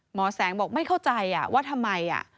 หมอแสงบอกไม่เข้าใจว่าทำไม